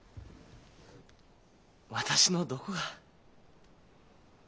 私のどこが？